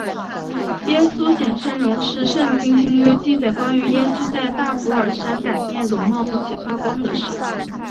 耶稣显圣容是圣经新约记载关于耶稣在大博尔山改变容貌并且发光的事。